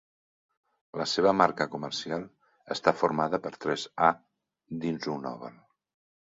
La seva marca comercial està formada per tres A dins un oval.